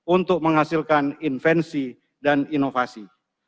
untuk menghasilkan invensi dan inovasi